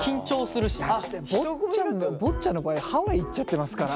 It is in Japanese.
坊ちゃんの場合ハワイ行っちゃってますから。